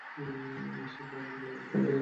Simba আমাকে ছাড়া কোথাও যায় না।